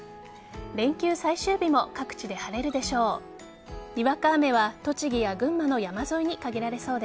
連休最終日も各地で晴れるでしょう。